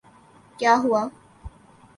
کیا ہوا؟